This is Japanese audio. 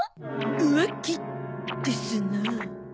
浮気ですなあ。